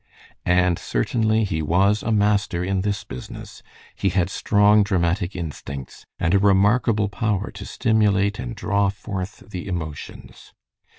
And certainly he was a master in this business. He had strong dramatic instincts, and a remarkable power to stimulate and draw forth the emotions.